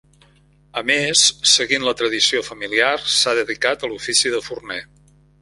A més, seguint la tradició familiar, s'ha dedicat a l'ofici de forner.